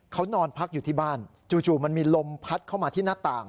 เขานอนพักอยู่ที่บ้านจู่มันมีลมพัดเข้ามาที่หน้าต่าง